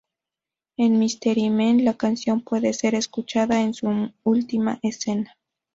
En Mistery Men la canción puede ser escuchada en su última escena.